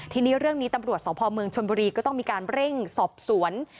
ทีนี้เรื่องนี้ตำรวจสพเมืองชนบุรีก็ต้องมีการเร่งสอบสวน